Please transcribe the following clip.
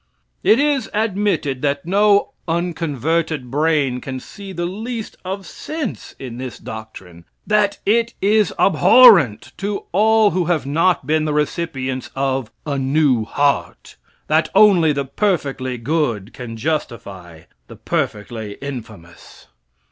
It is admitted that no unconverted brain can see the least of sense in this doctrine; that it is abhorrent to all who have not been the recipients of a "new heart;" that only the perfectly good can justify the perfectly infamous.